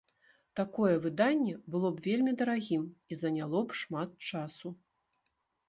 Такое выданне было б вельмі дарагім і заняло б шмат часу.